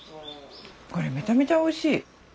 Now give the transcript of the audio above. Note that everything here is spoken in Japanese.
これめちゃめちゃおいしい！